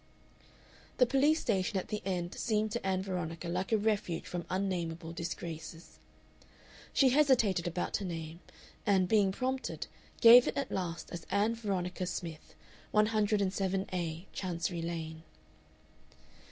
The police station at the end seemed to Ann Veronica like a refuge from unnamable disgraces. She hesitated about her name, and, being prompted, gave it at last as Ann Veronica Smith, 107A, Chancery Lane....